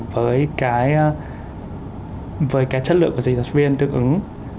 với chất lượng của dịch thuật viên tương ứng